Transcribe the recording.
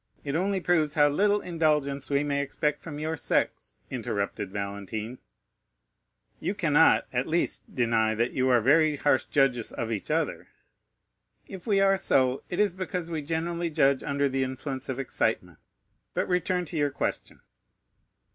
It only proves how little indulgence we may expect from your sex," interrupted Valentine. "You cannot, at least, deny that you are very harsh judges of each other." "If we are so, it is because we generally judge under the influence of excitement. But return to your question."